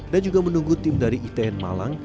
dan juga menunggu tim dari itn malang